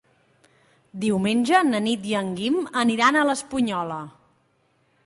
Diumenge na Nit i en Guim aniran a l'Espunyola.